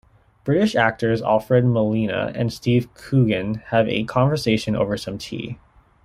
British actors Alfred Molina and Steve Coogan have a conversation over some tea.